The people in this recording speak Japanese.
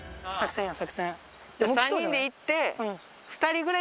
３人で行って。